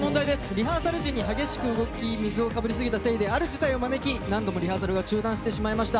リハーサル時、激しく動き水をかぶりすぎたせいである事態を招き何度もリハーサルが中断してしまいました。